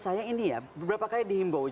saya ini ya beberapa kali dihimbau